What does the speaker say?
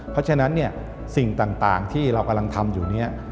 เพราะฉะนั้นเนี่ยสิ่งต่างที่เรากำลังทำอยู่เนี่ย